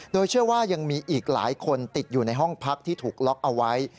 โดยเชื่อว่ายังมีอีกหลายคนติดอยู่ในห้องพักที่ถูกล็อกเอาไว้